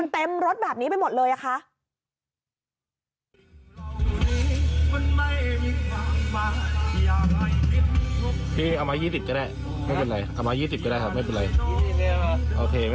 ทำไมมันเต็มรสแบบนี้ไปหมดเลยอะคะ